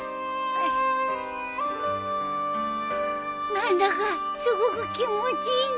何だかすごく気持ちいいね。